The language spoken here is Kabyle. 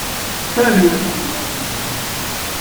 Ad yemsenḍaḥ d gma-s.